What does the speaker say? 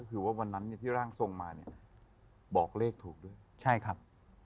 คือว่าวันนั้นที่ร่างทรงมาบอกเลขถูกด้วยยังไงครับ